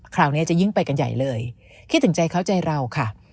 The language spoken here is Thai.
คราวนี้จะยิ่งไปกันใหญ่เลยคิดถึงใจเขาใจเราค่ะ